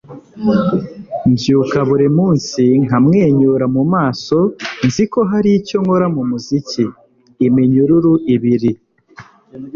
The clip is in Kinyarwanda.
mbyuka buri munsi nkamwenyura mu maso nzi ko hari icyo nkora mu muziki. - iminyururu ibiri